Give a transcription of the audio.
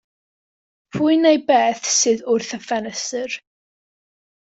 Pwy neu beth sydd wrth y ffenestr?